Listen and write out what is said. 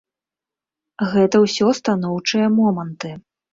Гэта ўсё станоўчыя моманты.